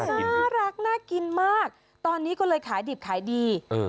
น่ารักน่ากินมากตอนนี้ก็เลยขายดิบขายดี